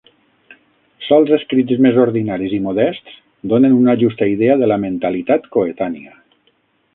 Sols escrits més ordinaris i modests donen una justa idea de la mentalitat coetània.